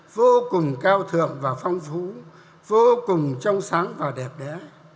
vô cùng cao thượng và phong phú vô cùng trong sáng và đẹp đẽ